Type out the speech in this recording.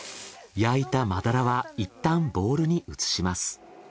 焼いた真鱈はいったんボウルに移します。